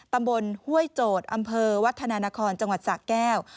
ตำบลห้วยโจทย์อำเภอวัฒนานครจังหวัดสะแก้ว